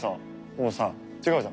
もうさ違うじゃん。